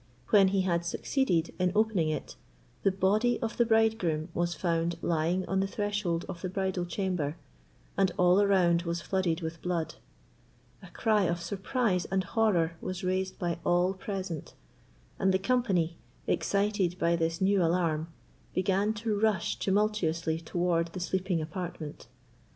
When he had succeeded in opening it, the body of the bridegroom was found lying on the threshold of the bridal chamber, and all around was flooded with blood. A cry of surprise and horror was raised by all present; and the company, excited by this new alarm, began to rush tumultuously towards the sleeping apartment.